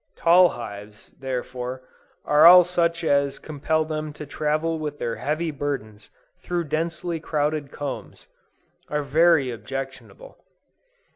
Tall hives, therefore, and all such as compel them to travel with their heavy burdens through densely crowded combs, are very objectionable.